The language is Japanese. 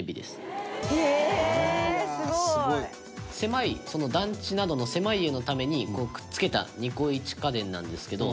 隆貴君：狭い団地などの狭い家のためにくっつけたニコイチ家電なんですけど。